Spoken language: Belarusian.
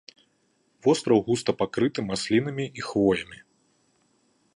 Востраў густа пакрыты маслінамі і хвоямі.